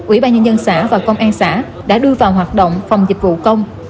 ủy ban nhân dân xã và công an xã đã đưa vào hoạt động phòng dịch vụ công